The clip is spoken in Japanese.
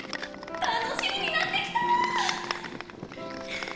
楽しみになってきた！